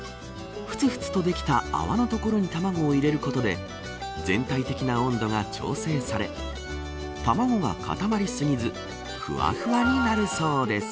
ふつふつとできた泡のところに卵を入れることで全体的な温度が調整され卵が固まりすぎずふわふわになるそうです。